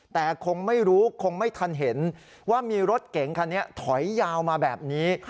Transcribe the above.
แต่คงไม่รู้คงไม่ทันเห็นว่ามีรถเก๋งคันนี้ถอยยาวมาแบบนี้